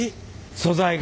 素材が？